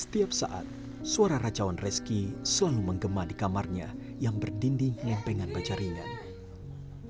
setiap saat suara racauan reski selalu menggema di kamarnya yang berdinding lempengan baca ringan